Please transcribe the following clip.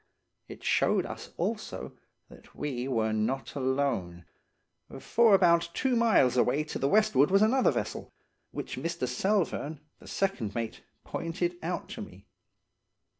It showed us also that we were not alone, for about two miles away to the westward was another vessel, which Mr. Selvern, the second mate, pointed out to me.